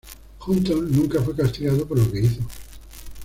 Hutton nunca fue castigado por lo que hizo.